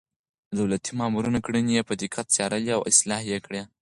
د دولتي مامورينو کړنې يې په دقت څارلې او اصلاح يې کړې.